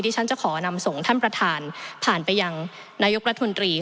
ท่านประธานที่เคารพถ้าผลเอกประยุทธ์ยังไม่ได้อ่านหนังสืออัยการสูงสุดฉบับนี้